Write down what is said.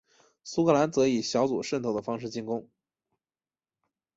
苏格兰则以小组渗透的方式进攻。